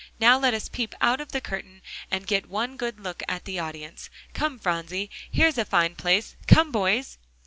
Now let us peep out of the curtain, and get one good look at the audience. Come, Phronsie, here's a fine place; come, boys!"